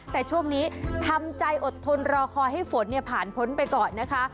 แต่ช่วงนี้ทำใจอดทนรอคอยให้ฝนผ่านพ้นไปก่อนนะคะ